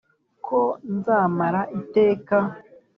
ko nzamara iteka